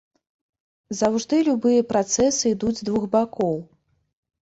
Заўжды любыя працэсы ідуць з двух бакоў.